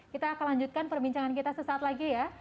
kita akan lanjutkan perbincangan kita sesaat lagi ya